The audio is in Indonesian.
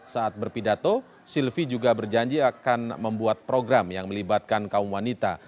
saat berpidato sylvi juga berjanji akan membuat program yang melibatkan kaum wanita